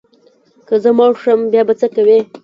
که زه مړ شم بیا به څه کوې؟